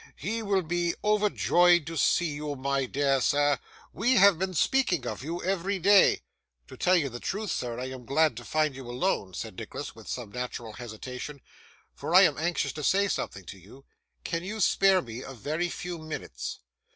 'He will be overjoyed to see you, my dear sir. We have been speaking of you every day.' 'To tell you the truth, sir, I am glad to find you alone,' said Nicholas, with some natural hesitation; 'for I am anxious to say something to you. Can you spare me a very few minutes?